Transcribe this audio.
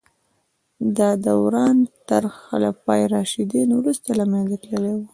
دا دوران تر خلفای راشدین وروسته له منځه تللی و.